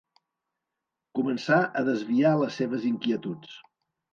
Començà a desviar les seves inquietuds.